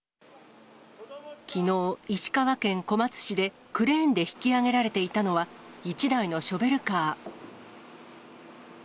きのう、石川県小松市で、クレーンで引き上げられていたのは、１台のショベルカー。